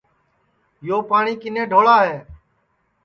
یو پاٹؔی کِنے ڈھوڑا ہے